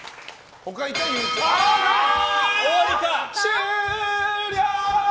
終了！！